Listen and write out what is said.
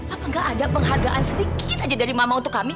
apakah ada penghargaan sedikit aja dari mama untuk kami